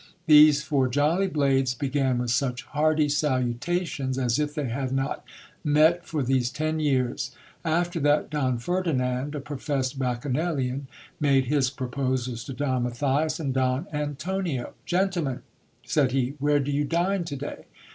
These four jolly blades began with such hearty salutations, as if they had not met for these ten years. After that, Don Ferdinand, a professed bacchanalian, made his proposals to Don Matthias and Don Antonio : Gentlemen,'' said he, •'where do you dine to day